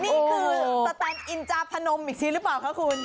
นี่คือสแตนอินจาพนมอีกทีหรือเปล่าคะคุณ